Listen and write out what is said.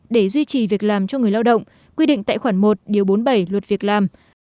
để duy trì việc làm cho người lao động quy định tại khoản một bốn mươi bảy luật việc làm